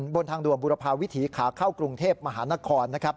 บนทางด่วนบุรพาวิถีขาเข้ากรุงเทพมหานครนะครับ